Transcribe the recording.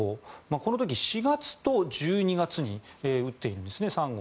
この時、４月と１２月に打っているんですね、３号。